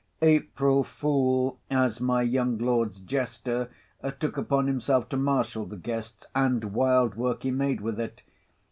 April Fool (as my young lord's jester) took upon himself to marshal the guests, and wild work he made with it.